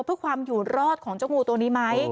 เพื่อความอยู่รอดของเจ้างูตัวนี้ไหม